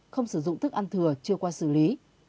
không sử dụng thức ăn thừa chưa qua xử lý